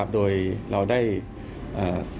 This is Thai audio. โดยเราได้ส่งอาทิตย์